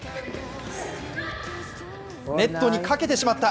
ネットにかけてしまった。